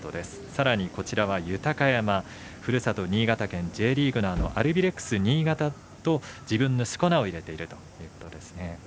さらに豊山ふるさと新潟県Ｊリーグのアルビレックス新潟と自分のしこ名を入れているということです。